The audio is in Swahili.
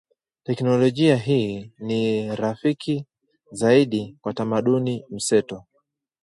Teknolojia hii ni rafiki zaidi kwa tamaduni mseto